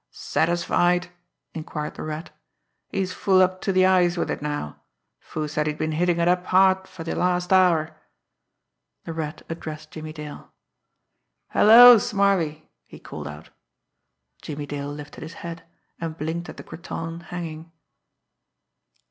"Satisfied?" inquired the Rat "He's full up to de eyes wid it now. Foo said he'd been hittin' it up hard fer de last hour." The Rat addressed Jimmie Dale. "Hello, Smarly!" he called out. Jimmie Dale lifted his head, and blinked at the cretonne hanging.